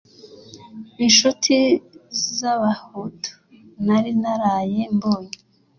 Inshuti z'Abahutu nari naraye mbonye,